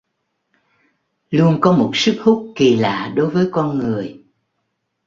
Luôn có một sức hút kỳ lạ đối với con người